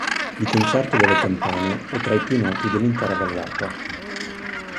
Il concerto delle campane è tra i più noti dell'intera vallata.